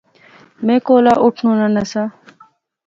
میں کولا اٹھنونا نہسا